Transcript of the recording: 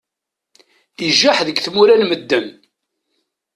Ijaḥ deg tmura n medden.